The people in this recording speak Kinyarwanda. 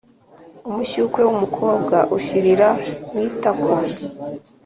umushyukwe w'umukobwa ushirira mu itako.